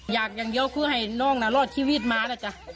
อยากอย่างเดียวคือให้น้องน่ะรอดชีวิตมานะจ๊ะ